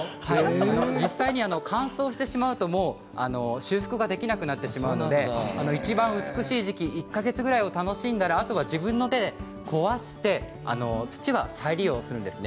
実際には乾燥してしまうと修復ができなくなってしまうのでいちばん美しい時期１か月ぐらい楽しんだあとは自分の手で壊して土は再利用するんですね。